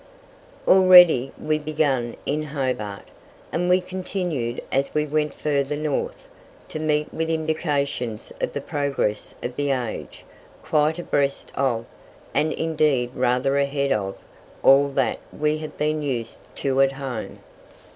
Already we began in Hobart, and we continued as we went further north, to meet with indications of the progress of the age, quite abreast of, and indeed rather ahead of, all that we have been used to at Home.